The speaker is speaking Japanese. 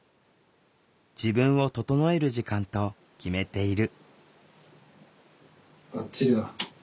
自分を整える時間と決めている。